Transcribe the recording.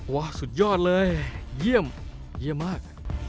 สุดยอดเลยเยี่ยมเยี่ยมมาก